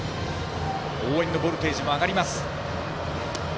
応援のボルテージも上がります。